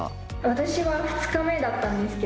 私は２日目だったんですけど。